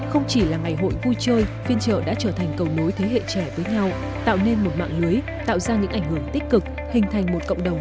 không chỉ là ngày hội vui chơi phiên trợ đã trở thành cầu nối thế hệ trẻ với nhau tạo nên một mạng lưới tạo ra những ảnh hưởng tích cực hình thành một cộng đồng